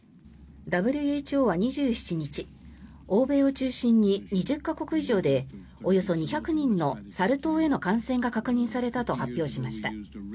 ＷＨＯは２７日欧米を中心に２０か国以上でおよそ２００人のサル痘への感染が確認されたと発表しました。